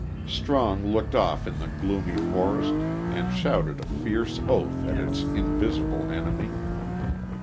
Strong looked off in the gloomy forest and shouted a fierce oath at its invisible enemy.